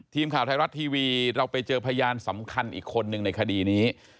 ทีมข่าวไทยรัฐทีวีเราไปเจอพยานสำคัญอีกคนนึงในคดีนี้